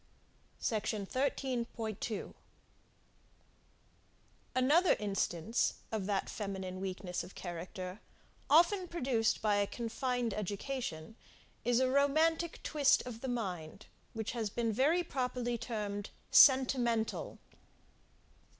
SECTION 13.2. Another instance of that feminine weakness of character, often produced by a confined education, is a romantic twist of the mind, which has been very properly termed SENTIMENTAL.